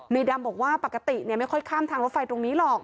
ในดำบอกว่าปกติไม่ค่อยข้ามทางรถไฟตรงนี้หรอก